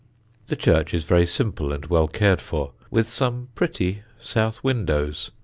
The church is very simple and well cared for, with some pretty south windows.